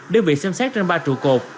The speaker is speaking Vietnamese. đưa việc xem xét trên ba trụ cột